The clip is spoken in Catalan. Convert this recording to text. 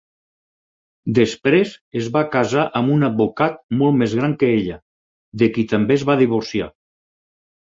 Després es va casar amb un advocat molt més gran que ella, de qui també es va divorciar.